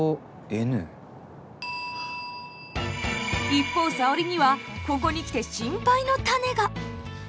一方沙織にはここに来て心配の種が。